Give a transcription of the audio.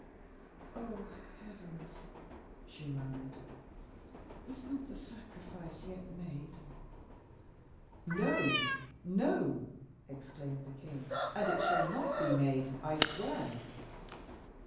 "Oh, heavens!" she murmured, "is not the sacrifice yet made?" "No, no!" exclaimed the king, "and it shall not be made, I swear."